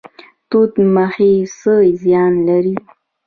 توت مخي څه زیان لري؟